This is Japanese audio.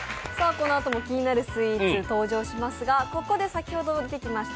このあとも気になるスイーツ登場しますがここで先ほど出てきました